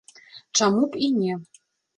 Чаму б і не.